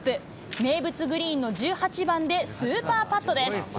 名物グリーンの１８番でスーパーパットです。